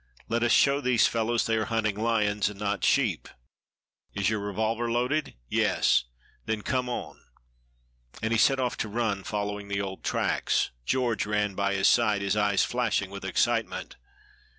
Let us show these fellows they are hunting lions and not sheep. Is your revolver loaded?" "Yes." "Then come on!" And he set off to run, following the old tracks. George ran by his side, his eyes flashing with excitement.